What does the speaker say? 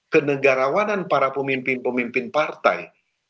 kenegarawanan para pemimpin pemimpin partai